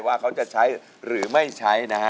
ว่าเขาจะใช้หรือไม่ใช้นะฮะ